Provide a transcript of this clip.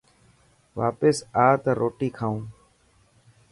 واپس آءِ ته روٽي کائون.